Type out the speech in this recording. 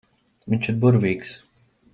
Viņš ir burvīgs.